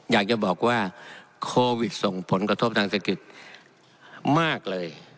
อยากจะบอกว่าโควิดส่งผลกระทบทางเศรษฐกิจมากเลย